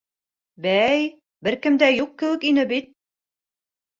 Бәй, бер кем дә юҡ кеүек ине бит?